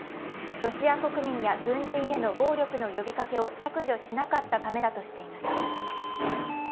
ロシア国民や軍人への暴力の呼びかけを削除しなかったためだとしていま。